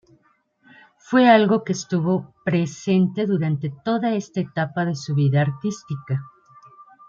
Fue algo que estuvo presente durante toda esta etapa de su vida artística.